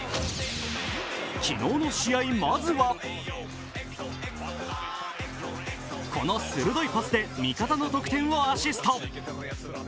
昨日の試合、まずはこの鋭いパスで味方の得点をアシスト。